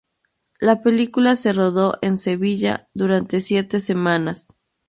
La película se rodó en Sevilla durante siete semanas.